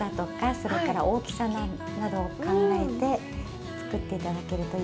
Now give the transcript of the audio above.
それから大きさなどを考えて作っていただけるといいなと思います。